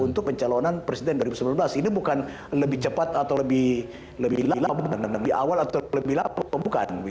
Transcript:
untuk pencalonan presiden dua ribu sembilan belas ini bukan lebih cepat atau lebih lama lebih awal atau lebih lama bukan